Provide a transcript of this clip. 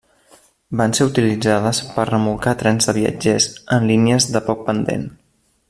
Van ser utilitzades per remolcar trens de viatgers en línies de poc pendent.